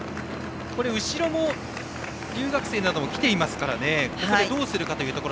後ろも留学生などが来ていますからここをどうするかというところ。